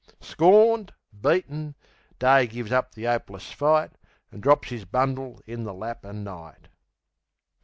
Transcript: Scorned, beaten, Day gives up the 'opeless fight, An' drops 'is bundle in the lap o' Night.